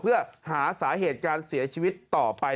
เพื่อหาสาเหตุการเสียชีวิตต่อไป